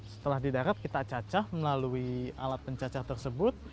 setelah di darat kita cacah melalui alat pencacah tersebut